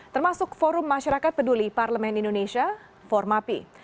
termasuk forum masyarakat peduli parlemen indonesia formapi